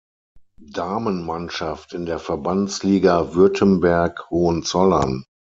Damenmannschaft in der Verbandsliga Württemberg-Hohenzollern.